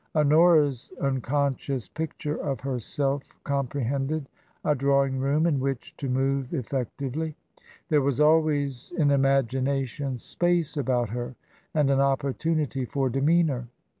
Honora's unconscious picture of herself compre hended a drawing room in which to move effectively. There was always, in imagination, space about her and an opportunity for demeanour.